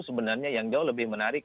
sebenarnya yang jauh lebih menarik